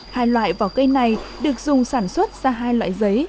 hai loại vỏ cây này được dùng sản xuất ra hai loại giấy